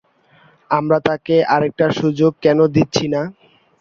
আমরা তাকে আরেকটা সুযোগ কেন দিচ্ছি না?